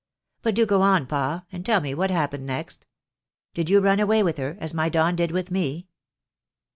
But do go on, pa, and tell me what happened next ? Did you run away with her, as my Don did with me